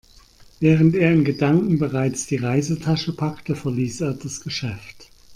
Während er in Gedanken bereits die Reisetasche packte, verließ er das Geschäft.